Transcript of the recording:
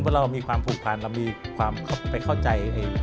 เพราะเรามีความผูกพันเรามีความไปเข้าใจ